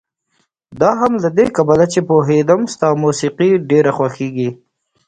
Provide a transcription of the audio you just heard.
دا هم له دې کبله چې پوهېدم ستا موسيقي ډېره خوښېږي.